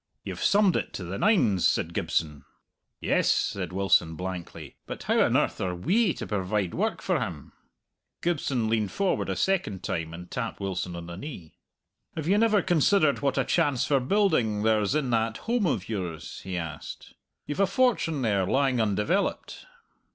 "You've summed it to the nines," said Gibson. "Yes," said Wilson blankly, "but how on earth are we to provide work for him?" Gibson leaned forward a second time and tapped Wilson on the knee. "Have you never considered what a chance for building there's in that holm of yours?" he asked. "You've a fortune there, lying undeveloped."